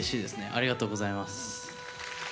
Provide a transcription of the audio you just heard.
ありがとうございます。